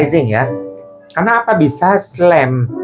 karena apa bisa teriak